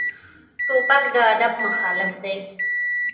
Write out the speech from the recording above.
توپک د ادب مخالف دی.